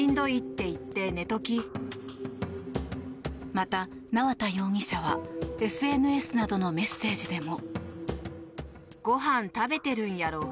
また、縄田容疑者はＳＮＳなどのメッセージでも。